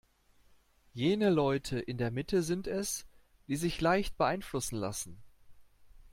Jene Leute in der Mitte sind es, die sich leicht beeinflussen lassen.